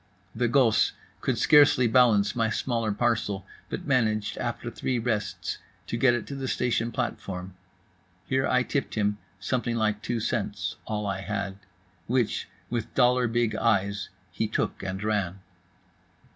The gosse could scarcely balance my smaller parcel, but managed after three rests to get it to the station platform; here I tipped him something like two cents (all I had) which, with dollar big eyes, he took and ran.